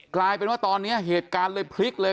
กลายเป็นว่าตอนนี้เหตุการณ์เลยพลิกเลย